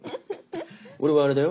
俺はあれだよ？